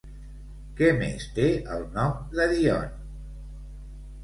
Què més té el nom de Dione?